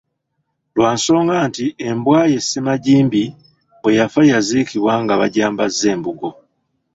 Lwa nsonga nti embwa ye ssemajimbi bwe yafa n'eziikibwa nga bagyambazza embugo.